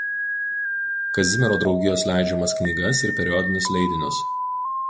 Kazimiero draugijos leidžiamas knygas ir periodinius leidinius.